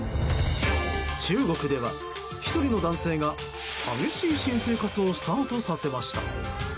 中国では、１人の男性が激しい新生活をスタートさせました。